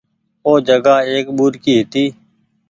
او جگآ ايڪ ٻوڏڪي هيتي۔